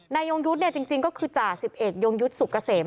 นายยงยุทธ์เนี่ยจริงก็คือจ่า๑๑ยงยุทธ์สุกเกษม